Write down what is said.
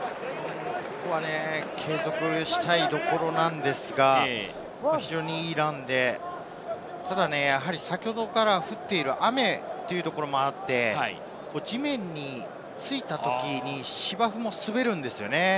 継続したいところなんですが、非常にいいランで、ただ、やはり先ほどから降っている雨ということもあって、地面に着いたときに芝生も滑るんですよね。